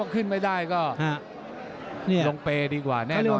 ขึ้นไม่ได้ก็ลงเปย์ดีกว่าแน่นอน